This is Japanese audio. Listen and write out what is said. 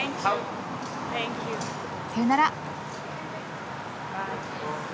さようなら。